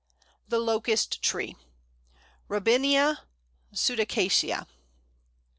The Locust Tree (Robinia pseudacacia).